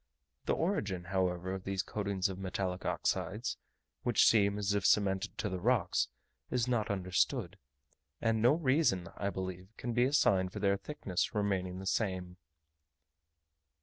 The origin, however, of these coatings of metallic oxides, which seem as if cemented to the rocks, is not understood; and no reason, I believe, can be assigned for their thickness remaining the same.